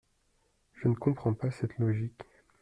Je ne comprends pas cette logique.